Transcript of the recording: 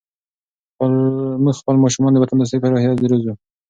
موږ خپل ماشومان د وطن دوستۍ په روحیه روزو.